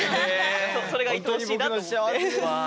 それがいとおしいなと思って。